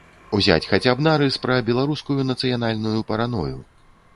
Узяць хаця б нарыс пра беларускую нацыянальную паранойю.